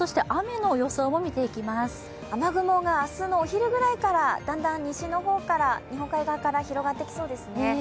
雨雲が明日のお昼ぐらいからだんだん西の方から、日本海側から広がってきそうですね。